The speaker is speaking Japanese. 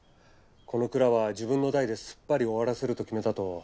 この蔵は自分の代ですっぱり終わらせると決めたと。